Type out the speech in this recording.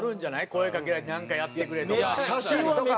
声かけられて「なんかやってくれ」とか。